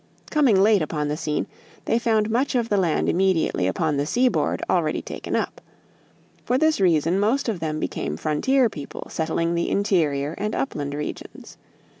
Coming late upon the scene, they found much of the land immediately upon the seaboard already taken up. For this reason most of them became frontier people settling the interior and upland regions.